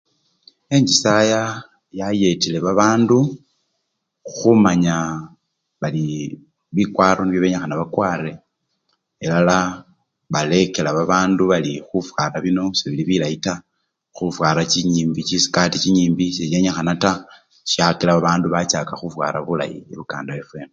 Enchisaya yayetile babandu khumanya bali bikwaro nibyo benyikhana bakware elala balekela babandu bari khufwara bino sebili bilayi taa, khufwara chinyimbi! chisikati chinyimbi sesyenyikhana taa syakila babandu bachaka khufwara bulayi ebukanda.